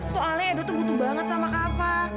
soalnya edo tuh butuh banget sama kava